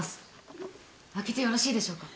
開けてよろしいでしょうか？